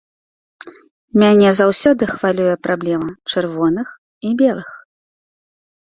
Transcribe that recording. Мяне заўсёды хвалюе праблема чырвоных і белых.